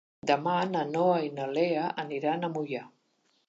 Demà na Noa i na Lea aniran a Moià.